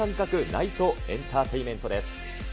ナイトエンタテインメントです。